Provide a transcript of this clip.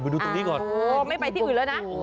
โอ้ไม่ไปที่อื่นแล้วนะ